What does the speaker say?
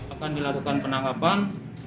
akan dilakukan penangkapan